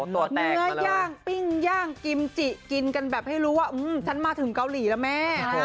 เนื้อย่างปิ้งย่างกิมจิกินกันแบบให้รู้ว่าฉันมาถึงเกาหลีแล้วแม่